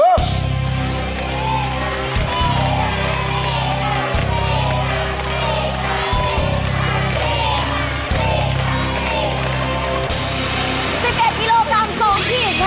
๑๑กิโลตาม๒พีชค่ะ